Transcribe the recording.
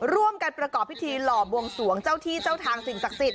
ร่วมกันประกอบพิธีหล่อบวงสวงเจ้าที่เจ้าทางสิ่งศักดิ์สิทธิ